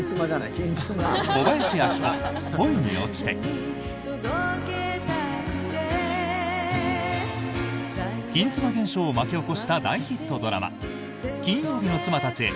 小林明子、「恋に落ちて」。金妻現象を巻き起こした大ヒットドラマ「金曜日の妻たちへ」